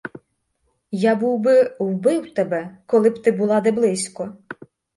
Я був би вбив тебе, коли б ти була де близько.